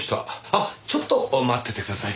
あっちょっと待っててください。